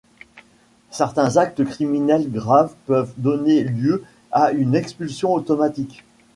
Certains actes criminels graves peuvent donner lieu à une expulsion automatique.